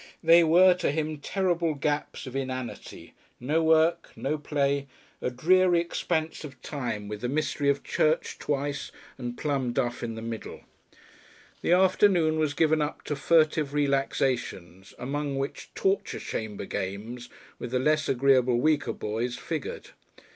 They were to him terrible gaps of inanity no work, no play, a drear expanse of time with the mystery of church twice and plum duff once in the middle. The afternoon was given up to furtive relaxations, among which "Torture Chamber" games with the less agreeable, weaker boys figured.